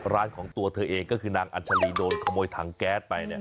ร้านของตัวเธอเองก็คือนางอัญชาลีโดนขโมยถังแก๊สไปเนี่ย